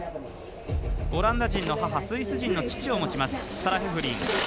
オランダ人の母スイス人の父を持ちますサラ・ヘフリン。